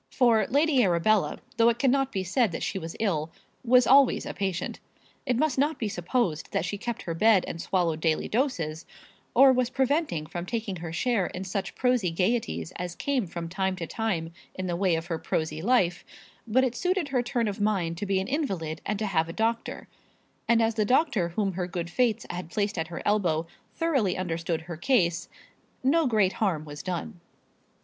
For Lady Arabella, though it cannot be said that she was ill, was always a patient. It must not be supposed that she kept her bed and swallowed daily doses, or was prevented from taking her share in such prosy gaieties as came from time to time in the way of her prosy life; but it suited her turn of mind to be an invalid and to have a doctor; and as the doctor whom her good fates had placed at her elbow thoroughly understood her case, no great harm was done.